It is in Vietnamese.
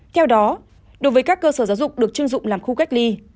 theo đó đối với các cơ sở giáo dục được chưng dụng làm khu cách ly